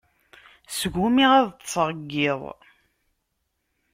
Sgumiɣ ad ṭṭseɣ deg iḍ.